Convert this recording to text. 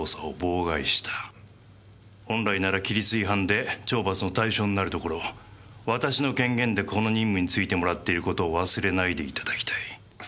本来なら規律違反で懲罰の対象になるところを私の権限でこの任務に就いてもらっている事を忘れないで頂きたい。